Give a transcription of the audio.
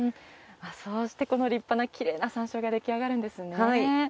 そうして立派なきれいな山椒が出来上がるんですね。